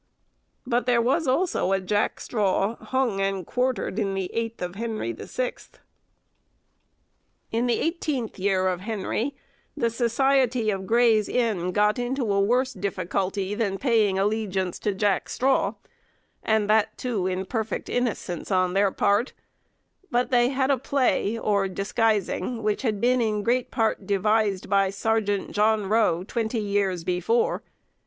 But there was also a Jack Straw hung and quartered in the eighth of Henry the Sixth. In the eighteenth year of Henry, the Society of Gray's Inn got into a worse difficulty than paying allegiance to Jack Straw, and that, too, in perfect innocence on their part; but they had a play or disguising, which had been in great part devised by Serjeant John Roe twenty years before.